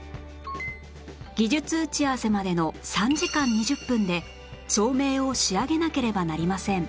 技術打ち合わせまでの３時間２０分で照明を仕上げなければなりません